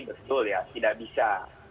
betul ya tidak bisa